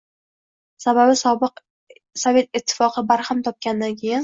Sababi – sobiq Sovet Ittifoqi barham topganidan keyin